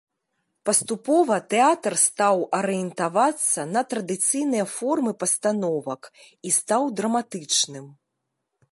Паступова тэатр стаў арыентавацца на традыцыйныя формы пастановак і стаў драматычным.